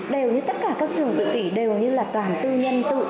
đều như tất cả các trường tự kỷ đều như là toàn tư nhân tự